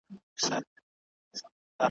په دې ویاله کي دي اوبه تللي `